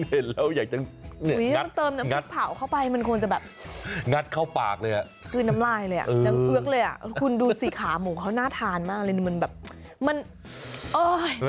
เห็นแล้วอยากจะเติมน้ำพริกเผาเข้าไปมันควรจะแบบงัดเข้าปากเลยอ่ะคือน้ำลายเลยอ่ะยังเอื้อกเลยอ่ะคุณดูสิขาหมูเขาน่าทานมากเลยมันแบบมันเอ้ย